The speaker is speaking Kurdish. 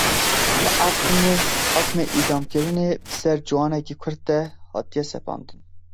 Li Efrînê hukmê îdamkirinê bi ser ciwanekî Kurd de hatiye sepandin.